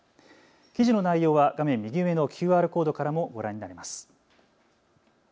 記事の内容は画面右上のＱＲコードからもご覧になれます。